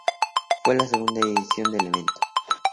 Fue la segunda edición del evento.